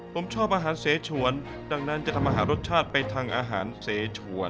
ผมชอบอาหารเสชวนดังนั้นจะทำอาหารรสชาติไปทางอาหารเสชวน